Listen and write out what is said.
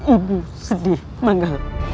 ibu sedih mangga